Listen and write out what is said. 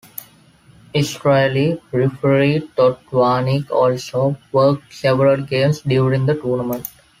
Israeli referee Todd Warnick also worked several games during the tournament.